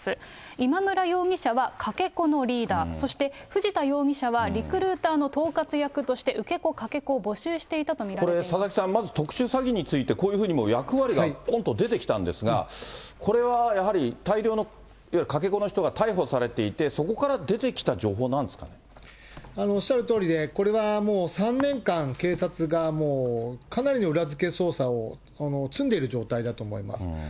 今村容疑者はかけ子のリーダー、そして藤田容疑者はリクルーターの統括役として受け子、かけ子を佐々木さん、まず特殊詐欺について、こういうふうにもう役割がぽんと出てきたんですが、これはやはり、大量の、いわゆるかけ子の人が逮捕されていて、そこから出てきた情報なんおっしゃるとおりで、これはもう３年間、警察がもうかなりの裏付け捜査を積んでいる状態だと思います。